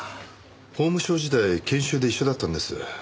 法務省時代研修で一緒だったんです。